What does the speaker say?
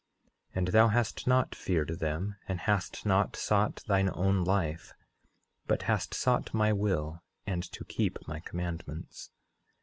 And thou hast not feared them, and hast not sought thine own life, but hast sought my will, and to keep my commandments.